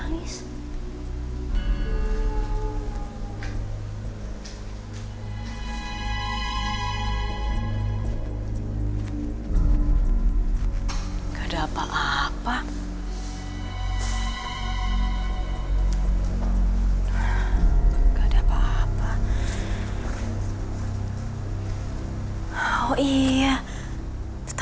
nggak ada apa apa